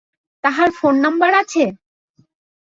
তার phone number আছে?